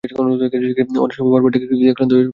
অনেক সময় বারবার কিক দিয়ে ক্লান্ত হয়ে পড়লেও স্টার্ট নিত না।